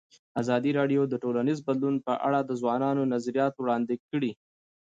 ازادي راډیو د ټولنیز بدلون په اړه د ځوانانو نظریات وړاندې کړي.